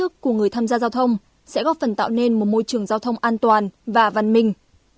sức của người tham gia giao thông sẽ góp phần tạo nên một môi trường giao thông an toàn và văn minh